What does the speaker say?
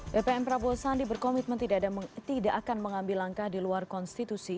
bpn prabowo sandi berkomitmen tidak akan mengambil langkah di luar konstitusi